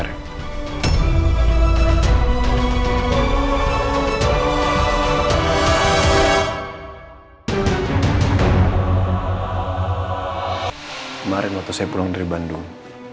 kemarin waktu saya pulang dari bandung